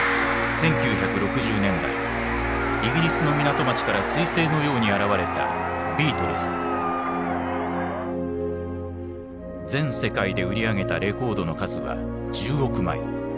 １９６０年代イギリスの港町からすい星のように現れた全世界で売り上げたレコードの数は１０億枚。